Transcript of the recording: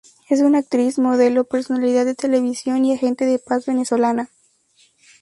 Es una actriz, modelo, personalidad de televisión y agente de paz venezolana.